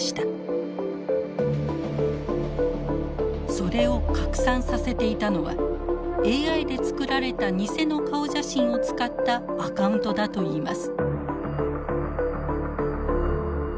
それを拡散させていたのはＡＩでつくられた偽の顔写真を使ったアカウントだといいます。